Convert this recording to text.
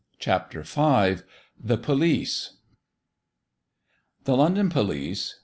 CHAP. V. The Police. THE LONDON POLICE.